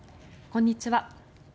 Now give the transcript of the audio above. こんにちは。